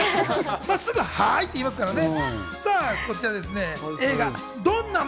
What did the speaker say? すぐ「はい！」って言いますからね。